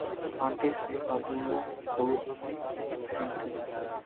کانٹے سے آلووں کو پھینٹو